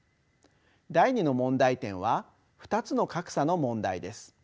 第２の問題点は２つの格差の問題です。